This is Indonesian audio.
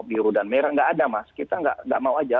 biru dan merah nggak ada mas kita nggak mau aja